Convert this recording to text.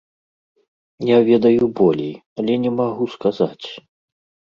Я ведаю болей, але не магу сказаць.